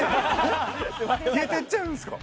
消えてっちゃうんすか？